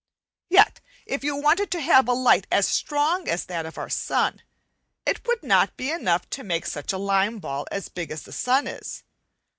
Yet if you wanted to have a light as strong as that of our sun, it would not be enough to make such a lime ball as big as the sun is.